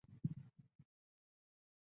微睾短腺吸虫为双腔科短腺属的动物。